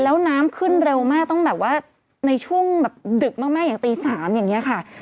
แล้วน้ำขึ้นเร็วมากต้องแบบว่าในช่วงแบบดึกมากอย่างตี๓อย่างนี้ค่ะ